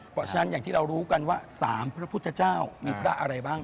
เพราะฉะนั้นอย่างที่เรารู้กันว่า๓พระพุทธเจ้ามีพระอะไรบ้าง